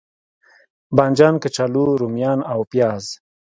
بانجان، کچالو، روميان او پیاز